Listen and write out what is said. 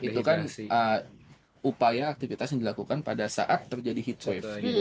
itu kan upaya aktivitas yang dilakukan pada saat terjadi heat shock